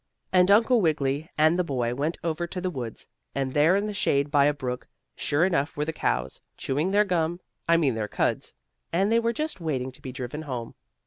And Uncle Wiggily and the boy went over to the woods, and there in the shade by a brook sure enough were the cows, chewing their gum I mean their cuds. And they were just waiting to be driven home.